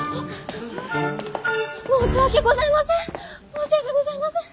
申し訳ございません。